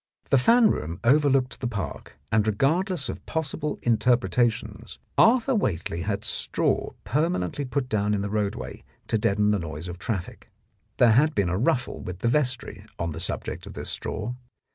The fan room overlooked the Park, and regardless of possible interpretations Arthur Whately had straw permanently put down in the roadway to deaden the noise of traffic. There had been a ruffle with the vestry on the subject. of this straw.